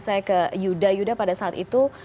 saya ke yuda yuda pada saat itu